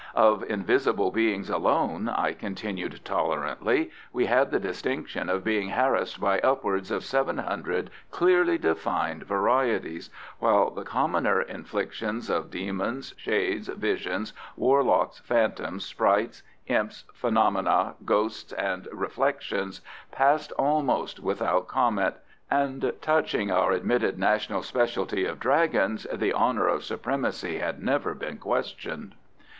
Of invisible beings alone, I continued tolerantly, we had the distinction of being harassed by upwards of seven hundred clearly defined varieties, while the commoner inflictions of demons, shades, visions, warlocks, phantoms, sprites, imps, phenomena, ghosts, and reflections passed almost without comment; and touching our admitted national speciality of dragons, the honour of supremacy had never been questioned.